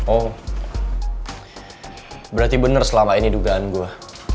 oh berarti benar selama ini dugaan gue